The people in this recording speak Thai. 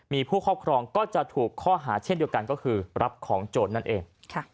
มีผู้ครอบครองก็จะถูกข้อหาเช่นเดียวกันก็คือรับของโจรนั่นเอง